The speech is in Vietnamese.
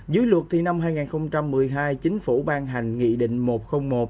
dưới luật thì năm hai nghìn một mươi hai chính phủ ban hành nghị định một trăm linh một